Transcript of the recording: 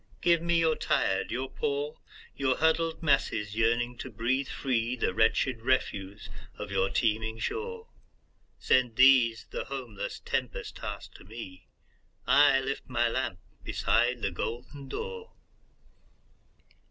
"Give me your tired, your poor, Your huddled masses yearning to breathe free, The wretched refuse of your teeming shore. Send these, the homeless, tempest tost to me,I lift my lamp beside the golden door!"